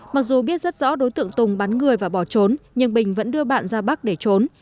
mặc dù biết rất rõ đối tượng tùng bắn người và bỏ trốn nhưng bình vẫn đưa bạn ra bắc để trốn